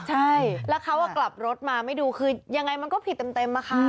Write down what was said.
ใช่แล้วเขากลับรถมาไม่ดูคือยังไงมันก็ผิดเต็มอะค่ะ